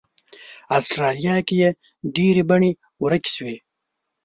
استرالیا کې یې ډېرې بڼې ورکې شوې.